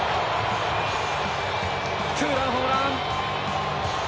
ツーランホームラン！